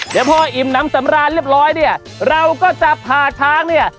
เดี๋ยวพออิ่มน้ำสำราญเรียบร้อยเนี่ยเราก็จะผ่าช้างเนี่ย